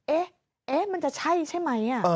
เอ๊ะมันจะใช่ใช่ไหม